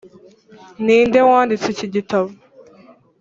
ninde wanditse iki gitabo?